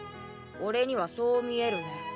俺にはそう見えるね。